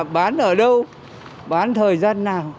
bán ở đâu bán thời gian nào